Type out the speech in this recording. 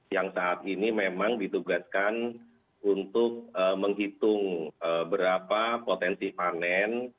yang saat ini memang ditugaskan untuk menghitung berapa potensi panen